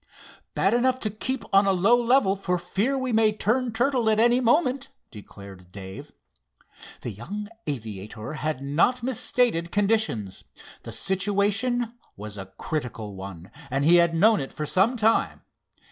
"Bad enough to keep on a low level, for fear we may turn turtle at any moment," declared Dave. The young aviator had not misstated conditions. The situation was a critical one, and he had known it for some time.